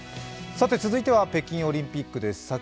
続いては北京オリンピックです。